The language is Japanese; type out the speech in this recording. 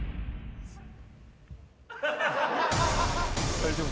大丈夫。